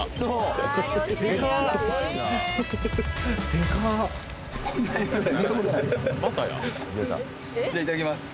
・デカーじゃあいただきます